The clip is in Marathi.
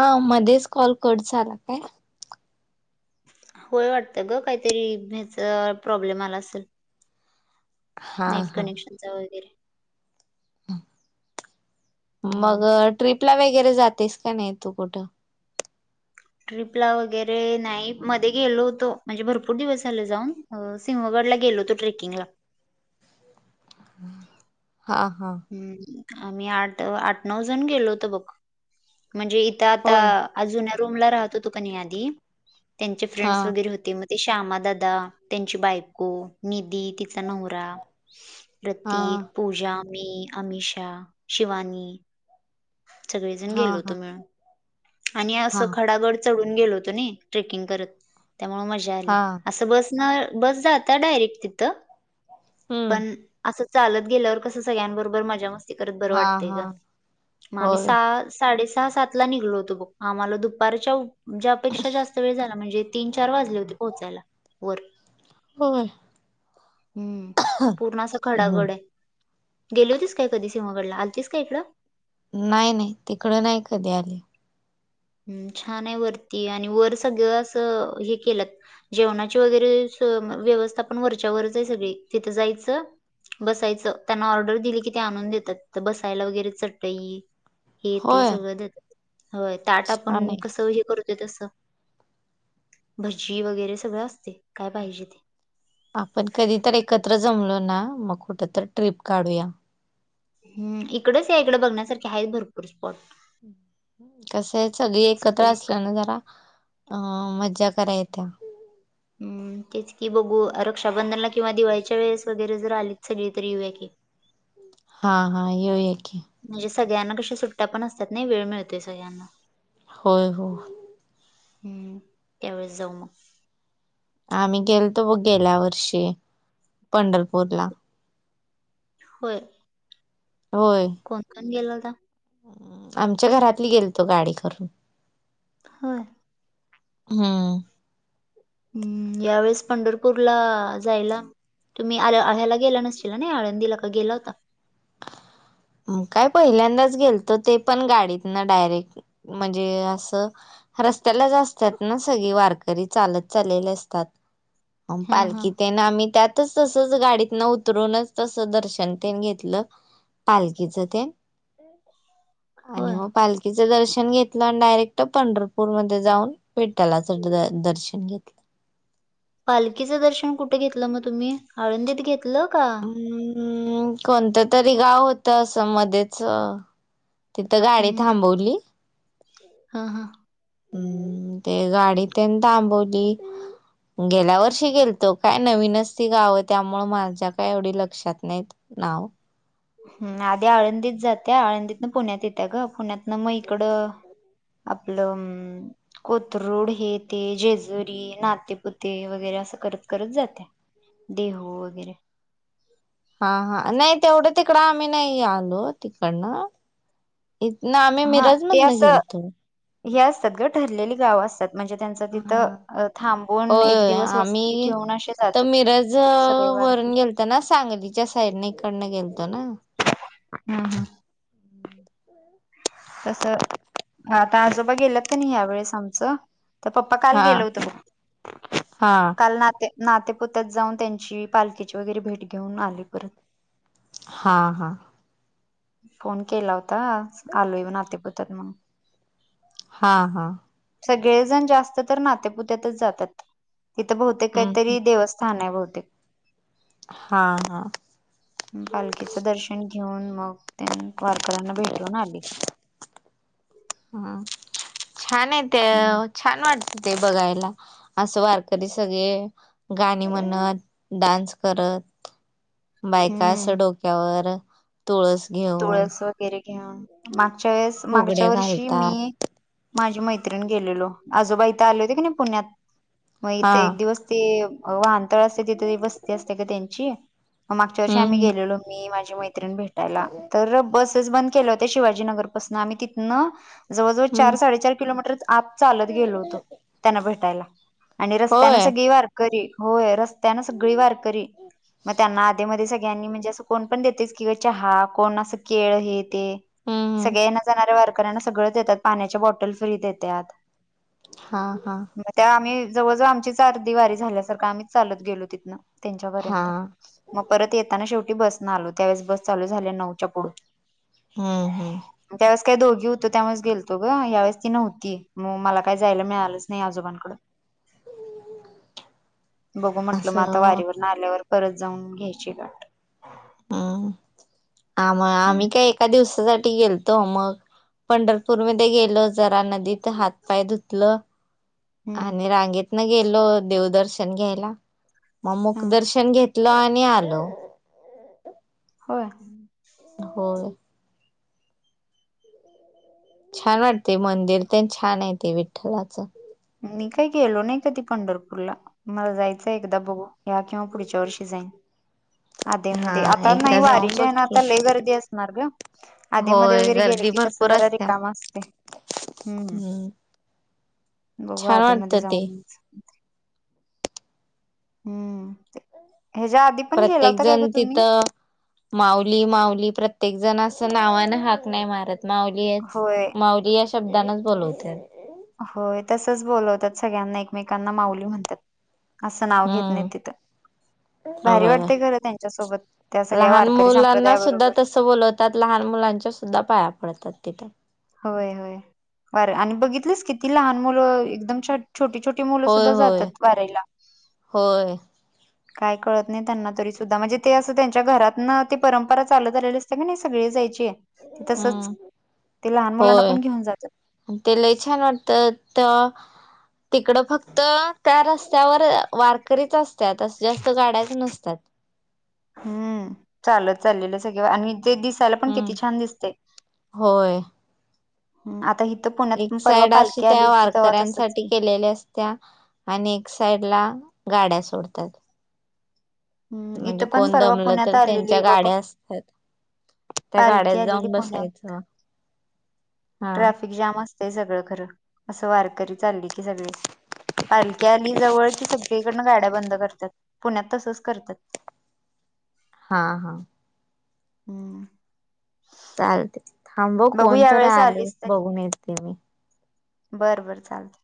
अ मध्येच कॉल कट झाला काय? होय वाटतं ग, काहीतरी ह्याचा प्रॉब्लेम आला असेल. हा नेट हा कनेक्शन चा वैगेरे. हम्म मग ट्रीपला वगैरे जातेस का नाही, तू कुठं. ट्रिपला वगैरे नाही मध्ये गेलो होतो. म्हणजे भरपूर दिवस झाले जाऊन. सिंहगडला गेलो होतो ट्रेकिंगला. हा हा! हूं आम्ही आठ, आठ, नऊ जण गेलो होतो बघ म्हणजे इथं आता होय आ जुन्या रूम ला राहत होतो क नि आधी, त्यांचे हा फ्रेंड्स वगैरे होते म. ते श्यामादादा त्यांची बायको, निधी तिचा नवरा. हा प्रतीक, पूजा, मी अमिषा, शिवानी. सगळेजण हा गेलो होतो हा मिळून आणि हा असं खडागड चडून गेलो होतो नही ट्रेकींग करत, त्यामुळ मजा आली हा अस बस न बस जाता डायरेट तिथ हम्म पण अस चालत गेल्यावर कसं सगळ्यांबरोबर मजा मस्ती करत बरं हा वाटतंय हा ग. म आम्ही होय सहा, साडे सहा, सात ला निघलो होतो बघ आम्हाला दुपारच्या ज्या पेक्षा जास्त वेळ झाला म्हणजे तीन, चार, वाजले होते पोहचायला वर. हो! हूं पूर्ण अस हम्म खडागड आहे. गेली होतीस काय कधी सिहंगडला आलतीस का इकंड? नाही, नाही तिकडं नाही कधी आली. हं छान आहे वरती आणि वर सगळं अस हे केलंत. जेवणाची वगैरे व्यवस्था पन वरच्या वरच आहे सगळी तिथं जायचं. बसायचं त्यांना ऑर्डर दिली की ते आणून देतात तीत बसायला वगैरे चटई हे ते होय सगळं देतात होय ताट छान पण आहे कस हे करु ते तस भजी वगैरे सगळं असतेय काय पाहिजे ते. आपण कधी तर एकत्र जमलो ना, म कुठ तर ट्रिप काढूया? हं इकडच यां इकड बघण्यासारखे आहेत भरपूर स्पॉट. कस आहे सगळी एकत्र सगळे एक- असल्या ना जरा. अ मज्जा करायेता हं तेच कि बघू रक्षाबंधनला, किंवा दिवाळीच्या वेळेस, वगैरे जर आलीत सगळी तर यू यां की. हां हां युया कीं. म्हणजे सगळ्यांना कशा सुट्ट्या पण असतात नही वेळ मिळतोय सगळ्यांना. होय हो! हूं त्यावेळे स जाऊ म. आम्ही गेलोतो बघ गेल्या वर्षी पंढरपूरला. होय! होय! कोण कोण गेल होता. आमच्या घरातली गेलतो गाडी करून. हय. हा. हम्म यावेेळेस पंढरपूरला जायला तुम्ही आ आळ्याला गेला नस. नाही आळ दिला का गेला होता. काय पहिल्यांदाच गेलत ते पण गाडीत ना डायरेक्ट म्हणजे असं. रस्त्याला जा असतात ना सगळी वारकरी चालत चाललेले असतात हा हा पालखी ते. आम्ही त्यातच तसच गाडीतन उतरूनच तस दर्शन घेतलं. पालखीच ते आणि होय मग पाल. तिचं दर्शन घेतलं आणि डायरेक्ट पंढरपूर मध्ये जाऊन विेठलाचं द दर्शन घेतलं. पालखीचं दर्शन कुठे घेतलं मग तुम्ही आळंदीत घेतलं का? हम् कोणतं तरी गाव होतं असं मध्येच. तिथं गाडी थांबवली. हां हां. हम्म ते गाडी तेनी थांबवली. गेल्या वर्षी गेलतो काय नवीनच ती गावं त्यामुळे माझ्या काय एवढी लक्षात नाहीत. नाव. हम् आधी आळंदीत जात्या आळंदीतन पुण्यात येत्या ग पुण्यातन मग इकडं. आपपल. कोथरूड हे ते जेजुरी नातेपुते वगैरे असं करत करत जाते. देहू वगैरे. हा हा नाही तेवढं तिकडं आम्ही नाही आलो तिकडनं. इथ ना आम्ही हा ते मिरजमधन असं गेलतो. हे असतात ग ठरलेली गाव असतात. म्हणजे त्यांच हा तिथं थांबून होय एक होय दिवस वस्ती आम्ही ठेवून असे जातात. तर मिरज सगळे वारकरी वरून गेलतो ना सांगलीच्या साईडकडनं गेलतो ना. हम् हम्. तस आता आजोबा गेलेत का नाही यावेेळेस आमचं. तर पप्पा काल हा गेल होतं म हा काल नाते. नाते पोत्यात जाऊन त्यांची पालखीची वगैरे भेट घेऊन आले परत. हां हां. फोन केला होता आलोयव नातेपुतात मग. हा हा. सगळेजण जास्त तर नातेपुत्यातच जातात. तिथं बहुतेक हम्म काहीतरी देवस्थान आहे बहुतेक. हां हां. पालखीचं दर्शन घेऊन मग त्यां वारकऱ्यांना भेटून आले. हम् छान आहे ते हम्म छान वाटत ते बघायला. असं वारकरी सगळे गाणी म्हणत डान्स करत. हम्म. बायकास डोक्यावर तुळस घेऊन. तुळस वगैरे घे मागच्या वेळेस मागच्या फुगडे वर्षी घालतात मी. माझी मैत्रिण गेलेलो आजोबाईथ आले होते की नाही पुण्यात मग हा इथे एक दिवस. ते वाहनतळ असते तिथे वस्ती असते का त्यांची मग मागच्या वर्षी हम्म आम्ही हम्म गेलेलो. मी माझी मैत्रण भेटायला तर बसेस बंद. के होत शिवाजीनगर पासून आम्ही तिथन. जवळजवळ चार हम्म साडेचार किलोमीटर आत चालत गेलो होतो. त्यांना भेटायला आणि रस्त्यान होय सगळी वार होय रस्त्या ना सगळी वारकरी मग त्यांना आधे म सनी म्हणजे अस कोण पण देतेस की चहा कोण असं केळ आहेत. हम्म सगळ्या ये न जाणाऱ्या वारकऱ्यांना सगळ देतात पाण्याच्या बॉटल फ्री देतात. हां हां. मग त्या आम्ही जवळजव आमची चार दिव वारी झाल्यासारखं आम्हीच लत गलो तिनं. [unintelligible] हा त्यांच्यापर्यंत मग परत येताना शेवटी बस न आलो त्यावेेळेस बस चालू झाल्या नऊच्या पुढून हा हम [unintelligible] त्यावेळेस काही दोघी होतो त्यावेळेस गेलतो ग यावेळेस ती नव्हती मग मला काय जायला मिळालंच नाही आजोबां [unintelligible] हम् [unintelligible] बघू म्हटलं मग आता वारीवर न आल्यावर परत जाऊन घ्यायची गट [unintelligible] हम्म आम हम्म आम्ही काय एका दिवसासाठी गेलतो मग [unintelligible] पंढरपूरमध्येध्ये गेलो जरा नदीत हातपाय धुतलं [unintelligible] हम्म आणि रांगेत ना गेलो देवदर्शन घ्यायला मग हा मुक दर्शन घेत [unintelligible] इटलं आणि आलू [unintelligible] हो [unintelligible] होर [unintelligible] छान वाटते मंदिर प छान आहे ते विठ्ठलाचं [unintelligible] मी काय गेलो नाही काधी पंढरपूरला [unintelligible] मला जायचं एकदा बघू या्या किंवा पुढच्या वर्षी जाईन [unintelligible] आधे हा मध्ये आता नाही एकदा जाऊन वारीच्या बघ आहे ना की आता लई गर्दी असणार ग आधेमध्ये होय वगैरे गेले गर्दी की कस जरा र काम असते [unintelligible] तर [unintelligible] बघू आधीमध्येध्ये ते जाऊन [unintelligible] हम्म ते हजादी [unintelligible] प्रत्येक जण तिथं [unintelligible] माऊली माऊली प्रत्येक जण अस नावान हाक नाही मारत माऊली होय [unintelligible] माउली या शब्दनाच बोलवते [unintelligible] होय तसच बोलवतात सगळ्यांना एकमेकांना माऊली म्हणतात [unintelligible] असं नाव घेत नाही हम्म तिथं [unintelligible] भारी होय वाटते खर त्यांच्यासोबत त्या सगळ्या वारकरी संप्रदायाबरोबर [unintelligible] बवतात लहान मुलांच्या सुद्धा पाया पडतात तिथे [unintelligible] होय होय बर आणि बघितलेस किती लहान मुलं एकदम छ छोटी छोटी [unintelligible] मुलं होय सुद्धा जात होय वाारयला [unintelligible] होय [unintelligible] काय कळत नाही त्यांना तरी सुद्धा म्हणजे ते असं त्यांच्या घरात ना ती परंपरा चालत आलेली [unintelligible] सग नाही सगळे जायचे आहे ते तसंच हम्म ते लहान मुलांना होय पण घेऊन जात [unintelligible] ते लय छान वाटत तर [unintelligible] तिकडं फक्त त्या रस्त्यावर वारकरीच असतात असं जास्त गाड्याच नसतात हम्म चाल चाललेलं सगळ आणि जे दिस हम्म. होय [unintelligible] आ [unintelligible] एक साइड अशी त्या वारकऱ्यांसाठी की केलेली असते [unintelligible] त्या आणि एक साइड ला गाड्या सोडतात [unintelligible] हम्म म्हणजे इथं पण कोण परवा दमलं पुण्यात तर आलेली त्यांच्या बाबा गाड्या असतात [unintelligible] त्या गाड्यात पालखी आलेली जाऊन पुण्यात बसायचं [unintelligible] हा ट्रॅफिक जाम असतेय सगळं खरं असं वारकरी चालली की सगळे [unintelligible] पालखी आली जवळ की सगळीकडन गाड्या बंद करतात पुण्यात तसंच करतात [unintelligible] हा हा [unintelligible] हम [unintelligible] चालतय,, थांब हं बघू कोणतर यावेेळेस आलय,, आलीस बघून येते मी. [unintelligible] बरं बरं चालतय. [unintelligible]